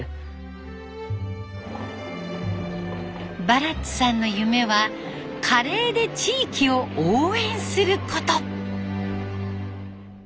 バラッツさんの夢はカレーで地域を応援すること。